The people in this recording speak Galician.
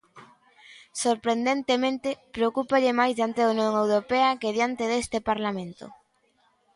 Sorprendentemente, preocúpalle máis diante da Unión Europea que diante deste parlamento.